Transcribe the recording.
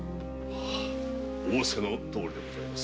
はっ仰せのとおりでございます。